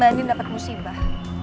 mbak endin dapat musibah